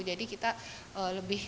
jadi kita lebih